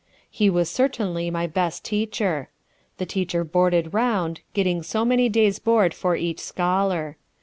He was certainly my best teacher. The teacher boarded round, getting so many days' board for each scholar.